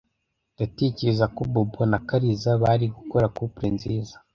Ndatekereza ko Bobo na Kariza bari gukora couple nziza.